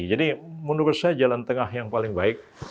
jadi menurut saya jalan tengah yang paling baik